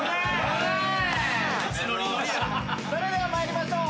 それでは参りましょう。